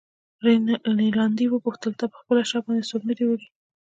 رینالډي وپوښتل: تا پر خپله شا باندې څوک نه دی وړی؟